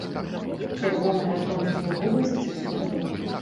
Чырвоныя тонкія губы сціснуты.